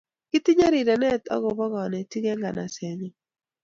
Kitinye rirenet ak ko bo kanetik en ngansat nenyon